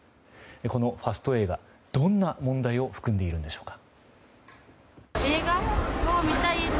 このファスト映画、どんな問題を含んでいるんでしょうか。